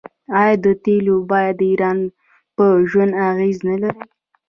آیا د تیلو بیه د ایران په ژوند اغیز نلري؟